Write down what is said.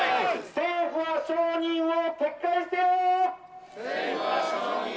政府は承認を撤回せよ！